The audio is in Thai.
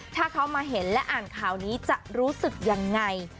ถ้าเขามาเห็นและอ่านข่าวนี้จะรู้สึกยังไง